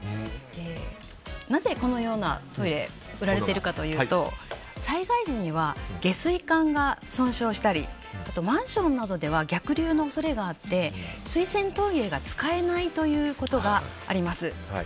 なぜ、このようなトイレが売られているかというと災害時には下水管が損傷したりあとはマンションなどでは逆流の恐れがあって水洗トイレが使えないことがあります。